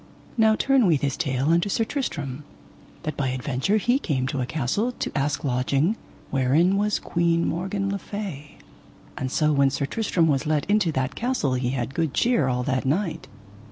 Now turn we this tale unto Sir Tristram, that by adventure he came to a castle to ask lodging, wherein was Queen Morgan le Fay; and so when Sir Tristram was let into that castle he had good cheer all that night.